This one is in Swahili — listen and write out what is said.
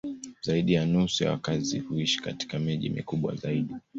Zaidi ya nusu ya wakazi huishi katika miji mikubwa zaidi.